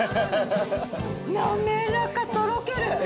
滑らかとろける。